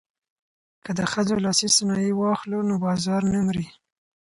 که د ښځو لاسي صنایع واخلو نو بازار نه مري.